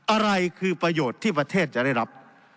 อะไรคือประโยชน์ที่ประเทศจะได้รับ